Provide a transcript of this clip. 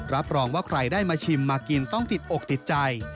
รับรองว่าใครได้มาชิมมากินต้องติดอกติดใจ